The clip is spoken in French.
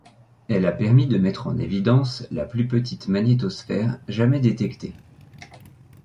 Elle a permis de mettre en évidence la plus petite magnétosphère jamais détectée.